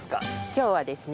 今日はですね